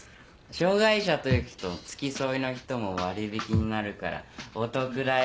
障がい者と行くと付き添いの人も割引になるからお得だよ。